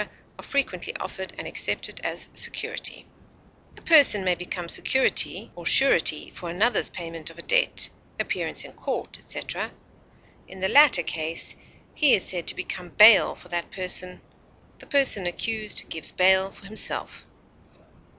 are frequently offered and accepted as security. A person may become security or surety for another's payment of a debt, appearance in court, etc.; in the latter case, he is said to become bail for that person; the person accused gives bail for himself.